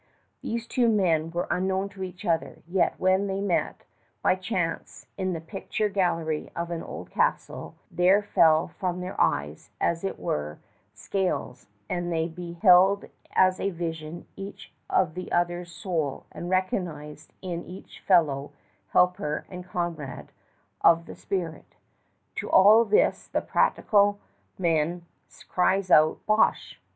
These two men were unknown to each other; yet when they met by chance in the picture gallery of an old castle, there fell from their eyes, as it were, scales, and they beheld as in a vision each the other's soul, and recognized in each fellow helper and comrade of the spirit. To all this the practical man cries out "Bosh"!